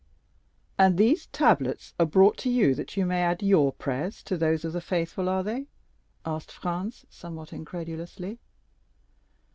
"And these tablets are brought to you that you may add your prayers to those of the faithful, are they?" asked Franz somewhat incredulously.